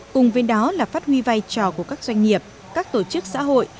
cùng với đó là phát huy vai trò của các doanh nghiệp các tổ chức xã hội